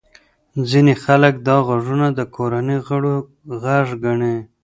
ځینې خلک دا غږونه د کورنۍ غړو غږ ګڼي.